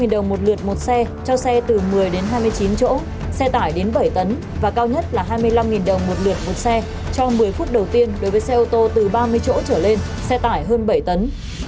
hai mươi đồng một lượt một xe cho xe từ một mươi đến hai mươi chín chỗ xe tải đến bảy tấn và cao nhất là hai mươi năm đồng một lượt một xe cho một mươi phút đầu tiên đối với xe ô tô từ ba mươi chỗ trở lên xe tải hơn bảy tấn